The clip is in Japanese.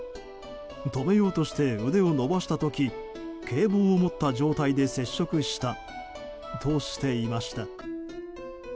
止めようとして腕を伸ばした時警棒を持った状態で接触したとしていました。